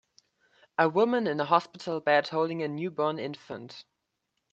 A woman in a hospital bed holding a newborn infant.